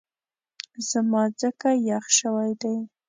زما ځکه یخ شوی دی